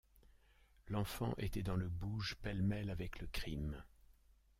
L’enfant était dans le bouge pêle-mêle avec le crime.